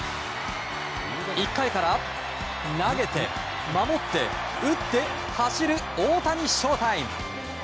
１回から投げて、守って打って、走る大谷翔タイム！